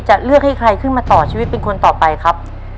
จะเลือกให้ใครขึ้นมาต่อชีวิตเป็นคนต่อไปครับ